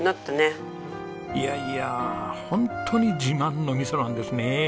いやいや本当に自慢の味噌なんですね。